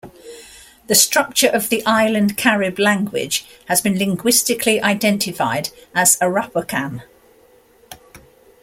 The structure of the Island Carib language has been linguistically identified as Arawakan.